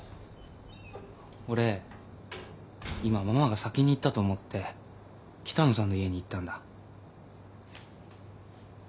俺今ママが先に行ったと思って北野さんの家に行ったんだ。